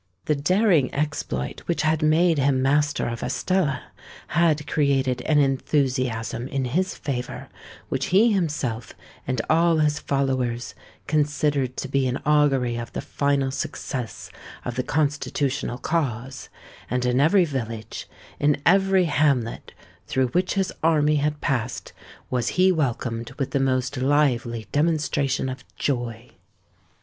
The daring exploit which had made him master of Estella, had created an enthusiasm in his favour which he himself and all his followers considered to be an augury of the final success of the Constitutional Cause; and in every village—in every hamlet through which his army had passed, was he welcomed with the most lively demonstration of joy.